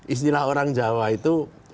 istilah orang jawa itu